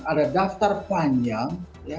ada daftar panjang